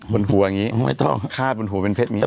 มึงด้วยว่าอยากไปงานเพชรตัวนี้หรอ